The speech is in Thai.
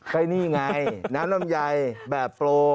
ก็นี่ไงน้ำลำไยแบบโปร